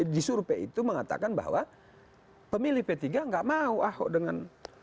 di surpenya itu mengatakan bahwa pemilih p tiga gak mau dengan